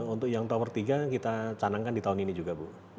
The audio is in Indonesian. untuk yang tower tiga kita canangkan di tahun ini juga bu